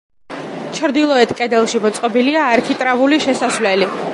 ჩრდილოეთ კედელში მოწყობილია არქიტრავული შესასვლელი.